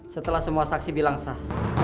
setelah semua saksi bilang sah